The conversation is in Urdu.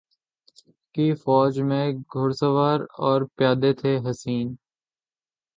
کی فوج میں گھرسوار اور پیادے تھے حسین